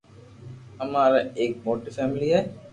امارآ ايڪ موٽي فآملي ھي